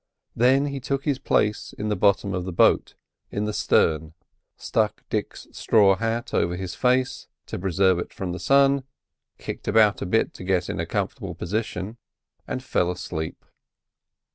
Then he took his place in the bottom of the boat, in the stern, stuck Dick's straw hat over his face to preserve it from the sun, kicked about a bit to get a comfortable position, and fell asleep.